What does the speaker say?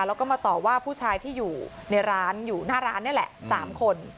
แล้วก็มาต่อว่าผู้ชายที่อยู่ในร้านอยู่หน้าร้านนี่แหละ๓คน